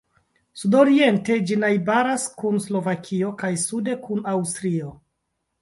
Sudoriente ĝi najbaras kun Slovakio kaj sude kun Aŭstrio.